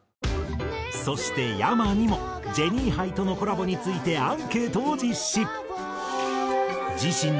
そしてｙａｍａにもジェニーハイとのコラボについてアンケートを実施。